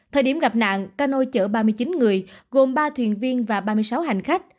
thời điểm gặp nạn cano chở ba mươi chín người gồm ba thuyền viên và ba mươi sáu hạng